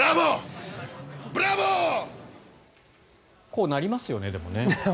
こうなりますよねでもね。